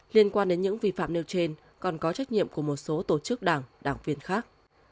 liên quan đến những vi phạm nêu trên còn có trách nhiệm của một số tổ chức đảng đảng viên khác